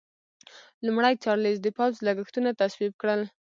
لومړي چارلېز د پوځ لګښتونه تصویب کړل.